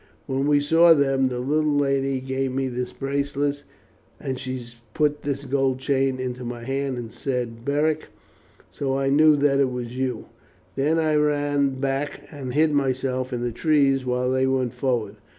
When we saw them the little lady gave me this bracelet, and she put this gold chain into my hand and said, 'Beric.' So I knew that it was for you. Then I ran back and hid myself in the trees while they went forward.